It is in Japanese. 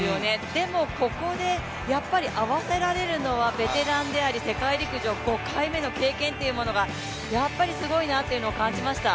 でも、ここで合わせられるのはベテランであり、世界陸上５回目の経験というものがやっぱりすごいなと感じました。